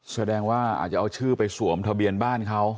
แสดงว่าอาจจะเอาชื่อไปสวมทะเบียนบ้านเขา